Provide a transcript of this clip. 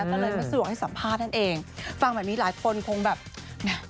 ก็เลยมาส่วนสุดให้สัมภาพนั่นเองฟังแบบนี้หลายคนคงแบบโดยเฉพาะแฟนคลับนะคุณ